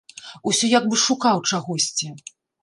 Усё як бы шукаў чагосьці.